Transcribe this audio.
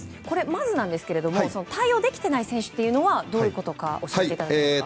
まずなんですが対応できてない選手というのはどういうことか教えていただけますか。